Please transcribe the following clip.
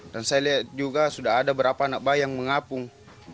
dan saya lihat juga sudah ada berapa anak bayi yang mengapung